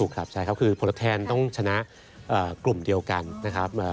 ครับใช่ครับคือผลแทนต้องชนะกลุ่มเดียวกันนะครับ